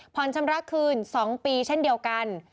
ชำระคืน๒ปีเช่นเดียวกัน